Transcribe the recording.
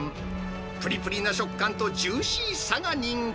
ぷりぷりな食感と、ジューシーさが人気。